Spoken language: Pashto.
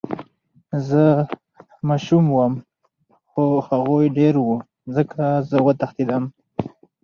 زه ماشوم وم خو هغوي ډير وو ځکه زه وتښتېدم.